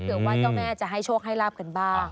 ว่าเจ้าแม่จะให้โชคให้ลาบกันบ้าง